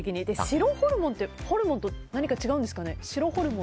白ホルモンってホルモンと何か違うんですかね。